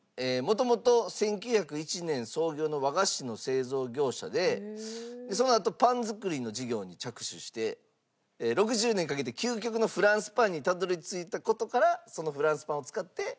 元々１９０１年創業の和菓子の製造業者でそのあとパン作りの事業に着手して６０年かけて究極のフランスパンにたどり着いた事からそのフランスパンを使って。